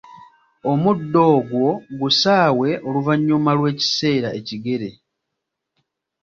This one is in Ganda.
Omuddo ogwo gusaawe oluvanyuma lw‘ekiseera ekigere.